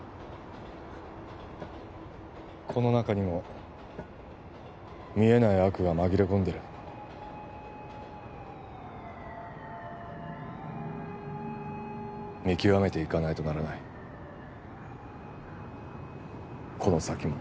この中にも見えない悪が紛れ込んでる見極めていかないとならないこの先も